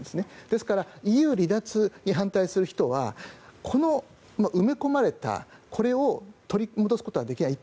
ですからＥＵ離脱に反対する人はこの埋め込まれたこれを取り戻すことはできない。